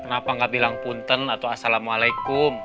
kenapa nggak bilang punten atau assalamualaikum